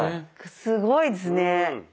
すごいですね。